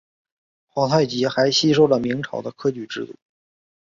皇太极还吸收了明朝的科举制度。